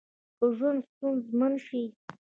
که ژوند ستونزمن شي